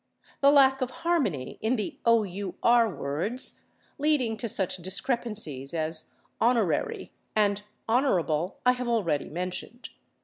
The lack of harmony in the / our/ words, leading to such discrepancies as /honorary/ and /honourable/, I have already mentioned.